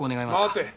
待て。